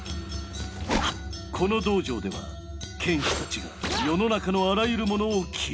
この道場では剣士たちが世の中のあらゆるものを切りまくる。